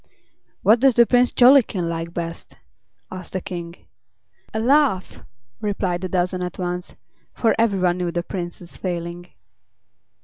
"What does the Prince Jollikin like best?" asked the King. "A laugh!" replied a dozen at once, for every one knew the Prince's failing.